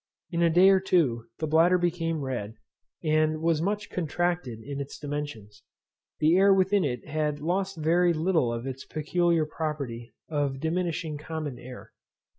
In a day or two the bladder became red, and was much contracted in its dimensions. The air within it had lost very little of its peculiar property of diminishing common air.